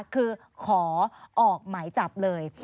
คือขอออกหมายจับเลย